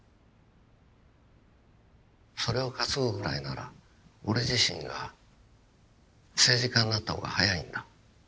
それを担ぐぐらいなら俺自身が政治家になった方が早いんだ。